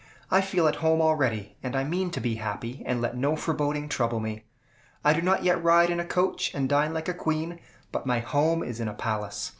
I feel at home already, and I mean to be happy, and let no foreboding trouble me. I do not yet ride in a coach, and dine like a queen, but my home is in a palace.